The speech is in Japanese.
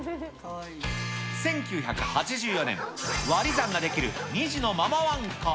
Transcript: １９８４年、割り算ができる２児のママワンコ。